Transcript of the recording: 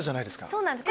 そうなんです。